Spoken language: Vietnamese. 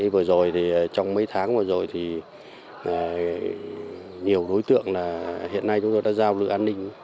vừa rồi thì trong mấy tháng vừa rồi thì nhiều đối tượng hiện nay chúng tôi đã giao lưu an ninh